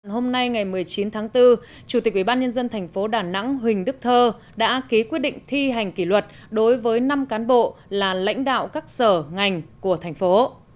hôm nay ngày một mươi chín tháng bốn chủ tịch ubnd tp đà nẵng huỳnh đức thơ đã ký quyết định thi hành kỷ luật đối với năm cán bộ là lãnh đạo các sở ngành của thành phố